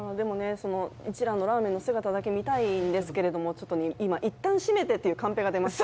一蘭のラーメンの姿だけ見たいんですけどもちょっと今、いったん締めてというカンペが出ました。